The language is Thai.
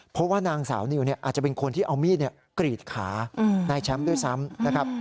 เพราะว่านางสาวนิวอาจจะเป็นคนที่เอามีดกรีดขานายแชมป์ด้วยซ้ำนะครับ